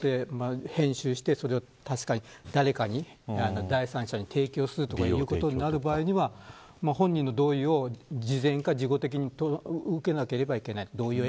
収集して、編集してそれを第三者に提供するということになる場合は本人の同意を事前か事後的に受けなければいけない。